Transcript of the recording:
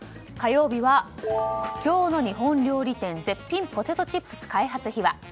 火曜日は苦境の日本料理店絶品ポテトチップス開発秘話。